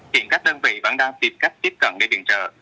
hiện các đơn vị vẫn đang tìm cách tiếp cận để viện trợ